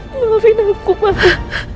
maafin aku papa